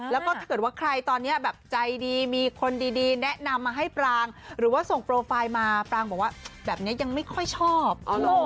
แล้วก็ถ้าเกิดว่าใครตอนนี้แบบใจดีมีคนดีแนะนำมาให้ปรางหรือว่าส่งโปรไฟล์มาปรางบอกว่าแบบนี้ยังไม่ค่อยชอบ